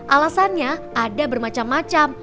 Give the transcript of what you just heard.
alasannya ada bermacam macam